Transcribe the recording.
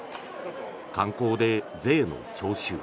観光で税の徴収。